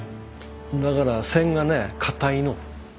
だから線がね硬いの。